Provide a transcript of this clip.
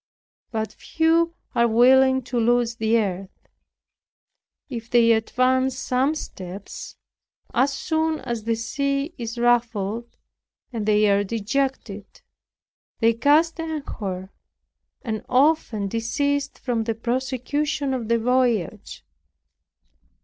But few are willing to lose the earth. If they advance some steps, as soon as the sea is ruffled they are dejected; they cast anchor, and often desist from the prosecution of the voyage.